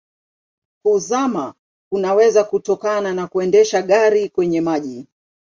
Kuzama kunaweza kutokana na kuendesha gari kwenye maji.